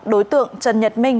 đối tượng trần nhật minh